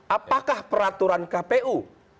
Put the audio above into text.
apakah peraturan kpu